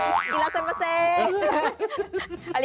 ขอบคุณครับ